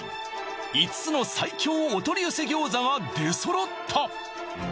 ５つの最強お取り寄せ餃子が出揃った！